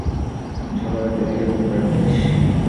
সকলের দেহে উমরার বেশ।